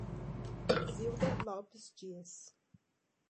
Zilda Lopes Dias